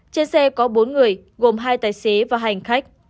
trên xe có bốn người gồm hai tài xế và hành khách